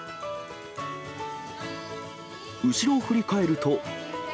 後ろを振り返ると。